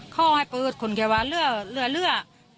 เข้าให้ปืดขนเขวาเลือดเลือดเลือด